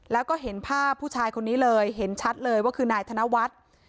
แล้วก็เห็นภาพผู้ชายคนนี้เลยเห็นชัดเลยว่าคือนายธนวัฒน์